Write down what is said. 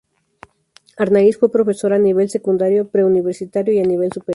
Arnáiz fue profesor a nivel secundario, preuniversitario y a nivel superior.